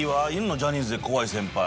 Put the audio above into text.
ジャニーズで怖い先輩。